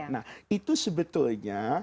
nah itu sebetulnya